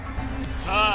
さあ